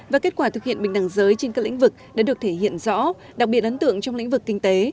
và kết quả thực hiện bình đẳng giới trên các lĩnh vực đã được thể hiện rõ đặc biệt ấn tượng trong lĩnh vực kinh tế